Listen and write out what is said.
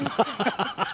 ハハハハ。